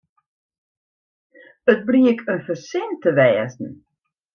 It bliek in fersin te wêzen.